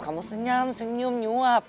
kamu senyam senyum nyuap